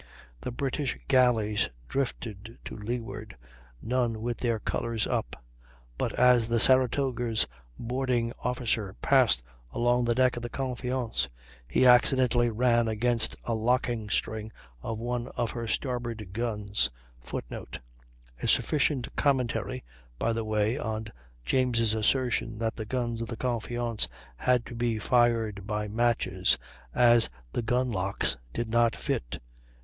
The British galleys drifted to leeward, none with their colors up; but as the Saratoga's boarding officer passed along the deck of the Confiance he accidentally ran against a lock string of one of her starboard guns, [Footnote: A sufficient commentary, by the way, on James' assertion that the guns of the Confiance had to be fired by matches, as the gun locks did not fit!